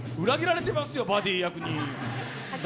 裏切られてますよバディー役に。